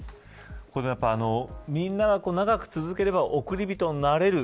みんなが長く続ければ億り人になれる。